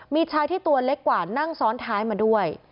มีชายที่ตัวเล็กกว่านั่งซ้อนท้ายมาด้วย